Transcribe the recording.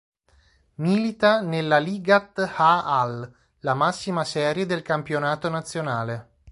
Milita nella Ligat ha'Al, la massima serie del campionato nazionale.